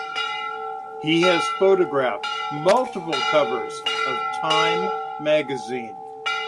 He has photographed multiple covers of "Time" magazine.